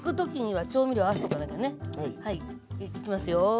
はいいきますよ。